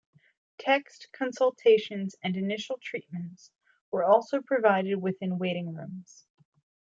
Tests, consultations, and initial treatments were also provided within waiting rooms.